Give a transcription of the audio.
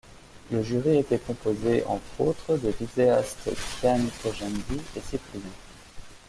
Le jury était composé, entre autres, des vidéastes Kyan Khojandi et Cyprien.